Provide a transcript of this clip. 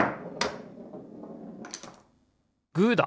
グーだ！